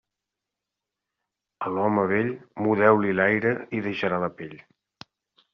A l'home vell, mudeu-li l'aire i hi deixarà la pell.